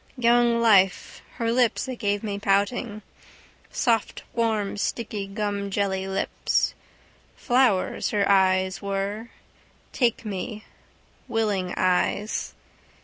Young life, her lips that gave me pouting. Soft warm sticky gumjelly lips. Flowers her eyes were, take me, willing eyes.